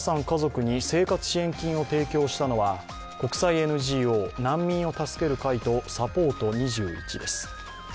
家族に生活支援金を提供したのは国際ＮＧＯ難民を助ける会とさぽうと２１です。